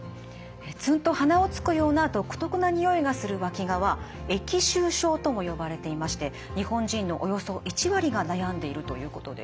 ツンと鼻をつくような独特なにおいがするわきがは腋臭症とも呼ばれていまして日本人のおよそ１割が悩んでいるということです。